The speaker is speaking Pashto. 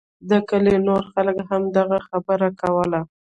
د کلي نورو خلکو هم دغه خبره کوله.